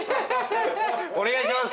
お願いします。